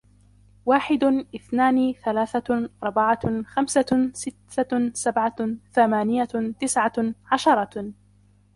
واحد، اثنان، ثلاثة، أربعة، خمسة، ستة، سبعة، ثمانية، تسعة، عشرة.